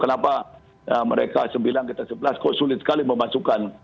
kenapa mereka sembilan kita sebelas kok sulit sekali memasukkan